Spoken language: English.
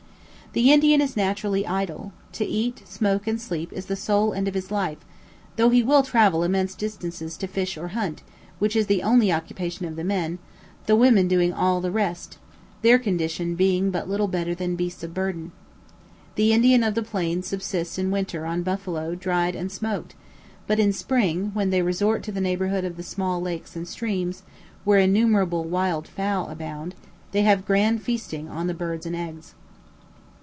The Indian is naturally idle to eat, smoke, and sleep is the sole end of his life; though he will travel immense distances to fish or hunt, which is the only occupation of the men, the women doing all the rest, their condition being but little better than beasts of burden. The Indian of the Plain subsists in winter on buffalo dried and smoked; but in spring, when they resort to the neighbourhood of the small lakes and streams, where innumerable wild fowl abound, they have grand feasting on the birds and eggs.